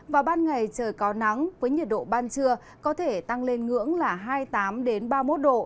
vào ban ngày trời có nắng với nhiệt độ ban trưa có thể tăng lên ngưỡng là hai mươi tám ba mươi một độ